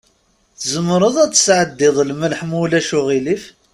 Tzemreḍ ad tesɛeddiḍ lmelḥ, ma ulac aɣilif?